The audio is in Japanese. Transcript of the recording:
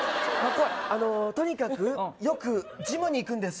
怖いあのとにかくよくジムに行くんです